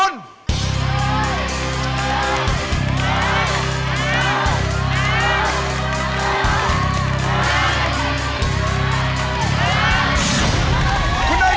ในรอบนี้นะคุณเนย์